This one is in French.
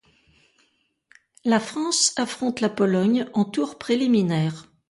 La France affronte la Pologne en tour préliminaire.